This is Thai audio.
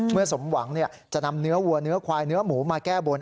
สมหวังจะนำเนื้อวัวเนื้อควายเนื้อหมูมาแก้บน